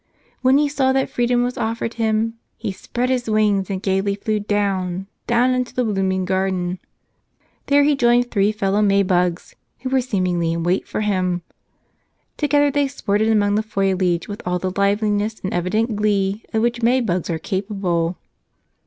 When he saw that freedom was offered him, he spread his wings and gaily flew down — down into the blooming garden. There he joined three fel¬ low May bugs who were seemingly in wait for him. Together they sported among the foliage with all the liveliness and evident glee of which May bugs are capable.